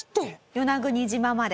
与那国島まで。